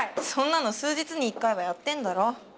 そんなの数日に一回はやってんだろ。